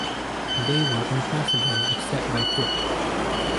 They were impassable except by foot.